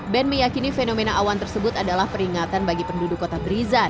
ben meyakini fenomena awan tersebut adalah peringatan bagi penduduk kota brisan